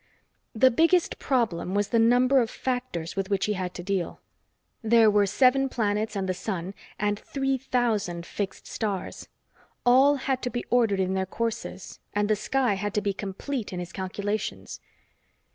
The biggest problem was the number of factors with which he had to deal. There were seven planets and the sun, and three thousand fixed stars. All had to be ordered in their courses, and the sky had to be complete in his calculations.